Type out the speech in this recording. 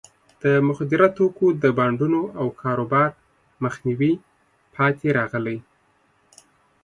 د مخدره توکو د بانډونو او کاروبار مخنیوي پاتې راغلی.